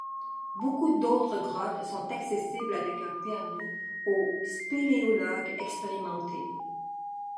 Beaucoup d'autres grottes sont accessibles avec un permis aux spéléologues expérimentés.